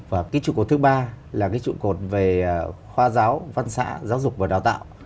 và cái trụ cột thứ ba là cái trụ cột về khoa giáo văn xã giáo dục và đào tạo